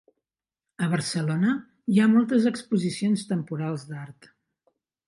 A Barcelona hi ha moltes exposicions temporals d'art.